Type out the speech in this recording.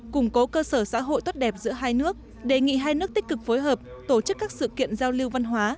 củng cố cơ sở xã hội tốt đẹp giữa hai nước đề nghị hai nước tích cực phối hợp tổ chức các sự kiện giao lưu văn hóa